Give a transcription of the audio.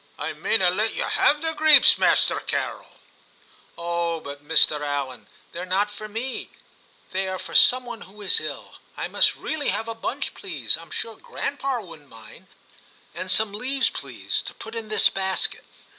' I mayna let ye have the greeps, Masterrr Carrel.' * Oh but, M 'Allan, they're not for me ; they are for some one who is ill. I must really have a bunch, please. I'm sure grandpapa D 34 TIM CHAP. wouldn't mind, — and some leaves, please, to put in this basket.'